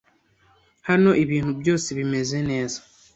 Hano ibintu byose bimeze neza?